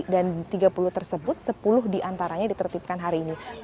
dan tiga puluh tersebut sepuluh diantaranya ditertibkan hari ini